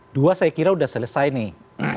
dua saya kira sudah selesai nih